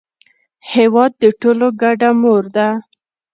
هېواد د ټولو ګډه مور ده.